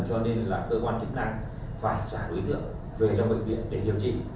cho nên là cơ quan chức năng phải xả đối tượng về trong bệnh viện để điều trị